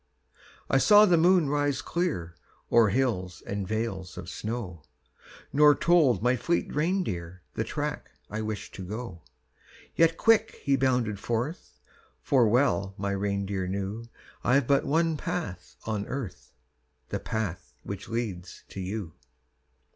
I saw the moon rise clear O'er hills and vales of snow Nor told my fleet reindeer The track I wished to go. Yet quick he bounded forth; For well my reindeer knew I've but one path on earth The path which leads to you.